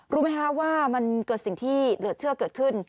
รู้ไหมคะว่ามันเกิดสิ่งที่เหลือเชื่อเกิดขึ้น